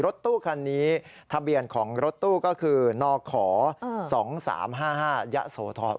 รถตู้คันนี้ทะเบียนของรถตู้ก็คือนข๒๓๕๕ยะโสธร